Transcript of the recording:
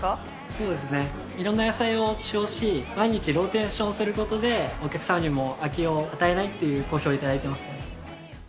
そうですね、いろんな野菜を使用し、毎日ローテーションすることで、お客様にも飽きを与えないっていうご好評を頂いてますね。